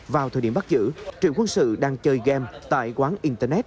vào thời điểm bắt giữ triệu quân sự đang chơi game tại quán internet